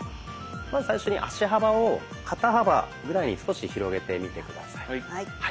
まず最初に足幅を肩幅ぐらいに少し広げてみて下さい。